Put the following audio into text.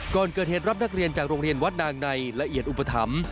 ก่อนเกิดเหตุรับนักเรียนจากโรงเรียนวัดนางในละเอียดอุปถัมภ์